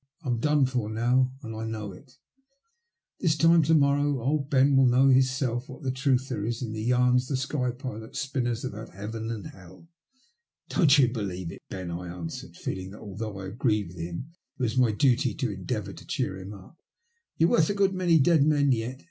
I'm done for now, and I know it. This time to morrow old Ben will know for hisBelf what truth there is in the yarns the sky pilots spin us about heaven and hell." "Don't you believe it, Ben," I answered, feeling that although I agreed with him it was my duty to endeavour to cheer him up. " You're worth a good many dead men yet.